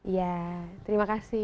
ya terima kasih